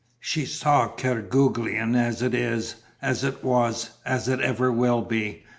She saw Kerguelen as it is, as it was, as it ever will be.